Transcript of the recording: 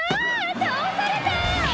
倒された！